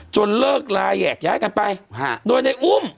เลิกลาแยกย้ายกันไปโดยในอุ้ม